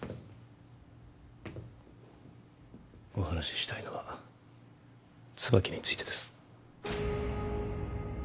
お話ししたいのはツバキについてです